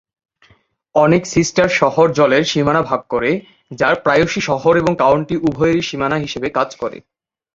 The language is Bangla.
অনেক সিস্টার শহর জলের সীমানা ভাগ করে, যা প্রায়শই শহর এবং কাউন্টি উভয়েরই সীমানা হিসাবে কাজ করে।